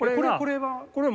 これは？